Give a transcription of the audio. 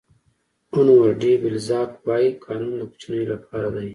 هونور ډي بلزاک وایي قانون د کوچنیو لپاره دی.